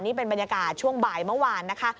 นี่เป็นบรรยากาศช่วงบ่ายเมื่อวานนะคะ